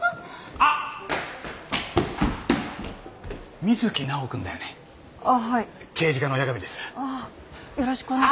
あっよろしくお願い。